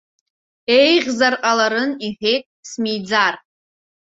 Еиӷьзар ҟаларын, иҳәеит, смиӡар.